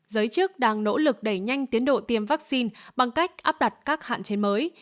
giới chức đang nỗ lực đẩy nhanh tiến độ tiêm vaccine bằng cách áp đặt các hạn chế mới